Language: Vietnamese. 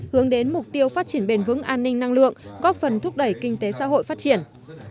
hướng đến mục tiêu phát triển bền vững an ninh năng lượng góp phần thúc đẩy kinh tế xã hội phát triển